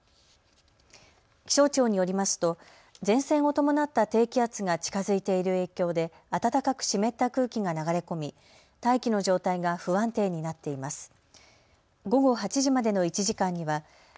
気象庁によりますと、前線を伴った低気圧が近づいている影響で暖かく湿った空気が流れ込み大気の状態が不安定になっています。